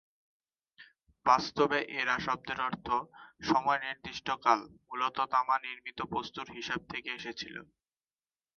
বাস্তবে, "এরা" শব্দের অর্থ "সময়ের নির্দিষ্ট কাল" মূলত তামা নির্মিত বস্তুর হিসাব থেকে এসেছিলো।